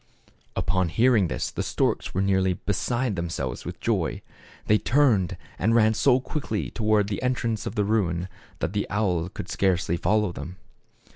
Upon hearing this the storks were nearly be side themselves with joy. They turned, and ran so quickly toward the entrance of the ruin, that the owl could scarcely follow them.